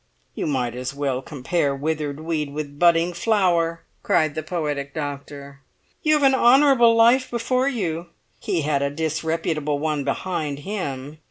"You might as well compare withered weed with budding flower!" cried the poetic doctor. "You have an honourable life before you; he had a disreputable one behind him.